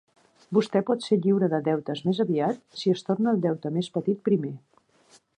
Vostè pot ser lliure de deutes més aviat si es torna el deute més petit primer.